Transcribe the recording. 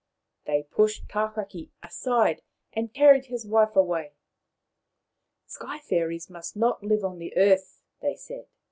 They pushed Tawhaki aside and carried his wife away. " Sky fairies must not live on the earth," they said.